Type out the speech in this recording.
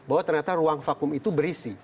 bahwa ternyata ruang vakum itu berisi